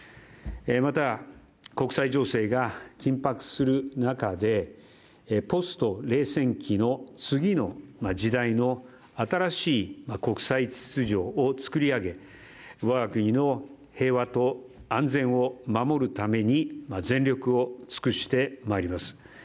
また国際情勢が緊迫する中でポスト冷戦期の次の時代の新しい国際秩序を作り上げ、我が国の平和と安全を守るために全力を尽くしてまいります。